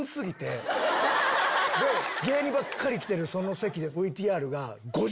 芸人ばっかり来てるその席でＶＴＲが。